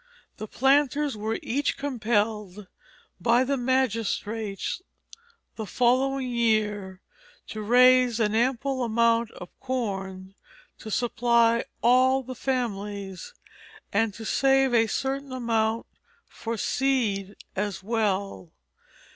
The planters were each compelled by the magistrates the following year to raise an ample amount of corn to supply all the families; and to save a certain amount for seed as well.